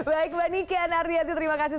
baik mbak niken ariyanti terima kasih